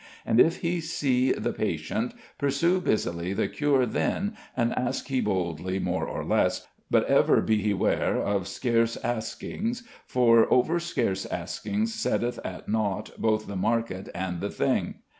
And if he see the patient, pursue busily the cure then, and ask he boldly more or less, but ever be he warre of scarce askings, for over scarce askings setteth at nought both the market and the thing.